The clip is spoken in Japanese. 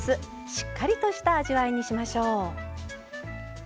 しっかりとした味わいにしましょう。